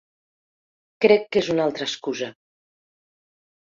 Crec que és una altra excusa.